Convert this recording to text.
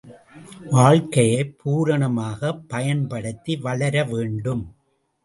வாழ்க்கையைப் பூரணமாகப் பயன்படுத்தி வளர வேண்டும்.